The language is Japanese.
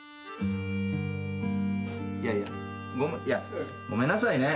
いやいやごめんなさいね。